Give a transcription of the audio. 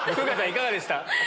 いかがでした？